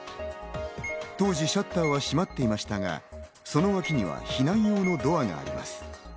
当時、シャッターは閉まっていましたが、その脇には避難用のドアがあります。